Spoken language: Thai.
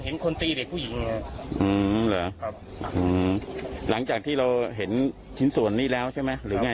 เห็นคนแต่ผู้หญิงหรอหลังจากที่เราเห็นชิ้นส่วนนี้แล้วใช่ไหมหรือไง